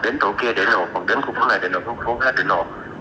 đến tổ kia để nộp đến tổ này để nộp đến tổ khác để nộp